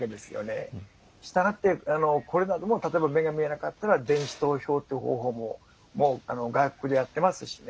したがって例えば目が見えなかったら電子投票っていう方法も外国でやっていますし。